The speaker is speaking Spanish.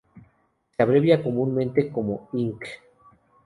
Se abrevia comúnmente como inc.